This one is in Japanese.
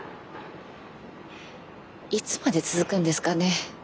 いつまで続くんですかね